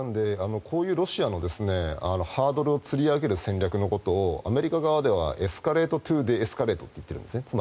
こういうロシアのハードルをつり上げる戦略のことをアメリカ側ではエスカレート・トゥ・デ・エスカレートって言っているんですね。